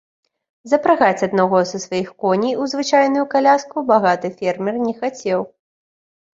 Запрагаць аднаго са сваіх коней у звычайную каляску багаты фермер не хацеў.